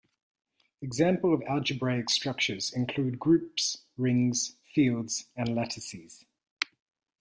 Examples of algebraic structures include groups, rings, fields, and lattices.